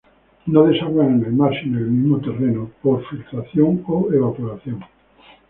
No desaguan en el mar sino en el mismo terreno, por filtración o evaporación.